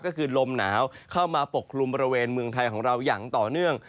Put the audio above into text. ก็คือลมหนาวเข้ามาปกคลุมบริเวณเมืองไทยของเราอย่างต่อเนื่อง